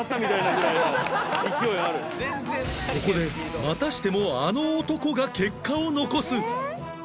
ここでまたしてもあの男が結果を残す！